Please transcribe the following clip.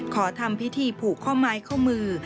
ขอทำพิธีผูกข้อไม้ข้อมือ